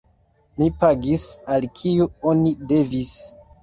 Mi pagis, al kiu oni devis.